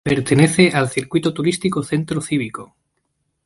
Pertenece al Circuito Turístico Centro Cívico.